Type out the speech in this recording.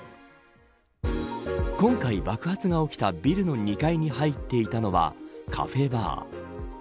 今回爆発が起きたビルの２階に入っていたのはカフェバー。